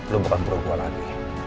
lu bukan bro gua lagi